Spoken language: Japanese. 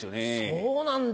そうなんだ。